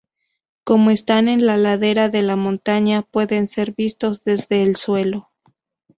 Como están en la ladera de la montaña, pueden ser vistos desde el suelo.